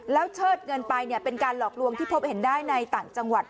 แล้วเชิดเงินไปเป็นการหลอกลวงที่พบเห็นได้ในต่างจังหวัด